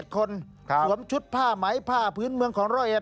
คนสวมชุดผ้าไหมผ้าพื้นเมืองของร้อยเอ็ด